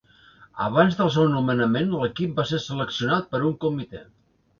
Abans del seu nomenament l'equip va ser seleccionat per un comitè.